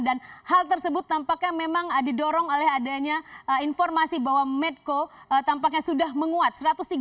dan hal tersebut tampaknya memang didorong oleh adanya informasi bahwa medco tampaknya sudah menguat